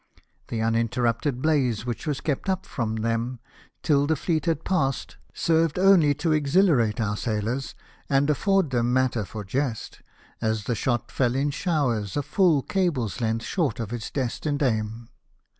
The uninterrupted blaze which was kept up from them till the fleet had passed, served only to exhilarate our sailors, and afford them matter for jest, as the shot fell in showers a full cable's length short of its destined aim.